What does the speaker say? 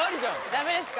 ダメですか？